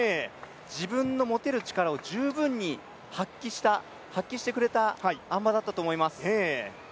自分の持てる力を十分に発揮した、発揮してくれたあん馬だったと思います。